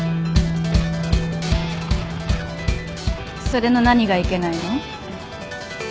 それの何がいけないの？